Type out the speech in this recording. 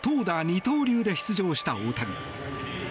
二刀流で出場した大谷。